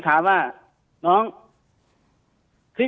คุณภาคภูมิครับคุณภาคภูมิครับ